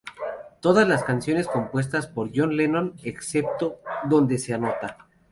Todas las canciones compuestas por John Lennon, excepto donde se anota.